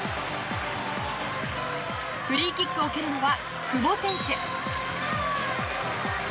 フリーキックを蹴るのは久保選手。